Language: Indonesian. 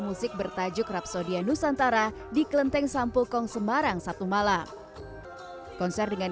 musik bertajuk rapsodian nusantara di klenteng sampul kong semarang satu malam konser dengan